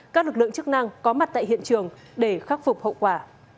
các lực lượng chức năng có mặt tại hiện trường để khắc phục hậu quả